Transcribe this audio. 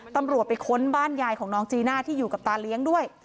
ตำรวจไปค้นบ้านยายของน้องจีน่าที่อยู่กับตาเลี้ยงด้วย